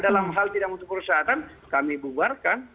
dalam hal tidak untuk perusahaan kami bubarkan